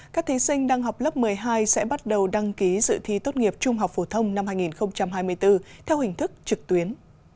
các thí sinh đăng học lớp một mươi hai sẽ bắt đầu đăng ký dự thi tốt nghiệp trung học phổ thông năm hai nghìn hai mươi bốn theo hình thức trực tuyến